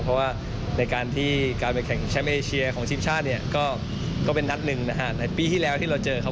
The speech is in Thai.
เพราะว่าในการที่การเป็นแข่งแชมป์เอเชียของชีวิตชาติเนี่ยก็เป็นนัทหนึ่งนะฮะ